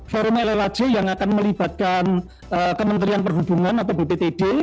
forum lhc yang akan melibatkan kementerian perhubungan atau bptd